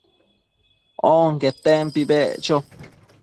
onquetempi beccho